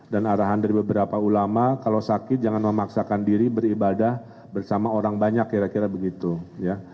dan arahan dari beberapa ulama kalau sakit jangan memaksakan diri beribadah bersama orang banyak kira kira begitu ya